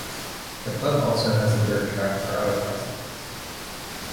The club also has a dirt track for autocross events.